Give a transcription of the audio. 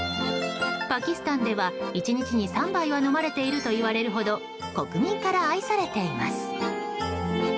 パキスタンでは１日に３杯は飲まれているといわれるほど国民から愛されています。